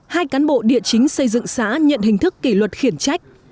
hai cán bộ địa chính xây dựng xã nhận hình thức kỷ luật khiển trách